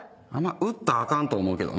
売ったらあかんと思うけど。